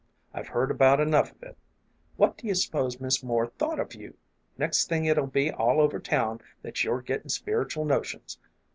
I've heard about enough of it. What do you s'pose Miss Moore thought of you ? Next thing it '11 be all over town that you're gettin' spiritual notions.